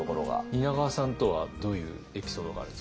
蜷川さんとはどういうエピソードがあるんですか？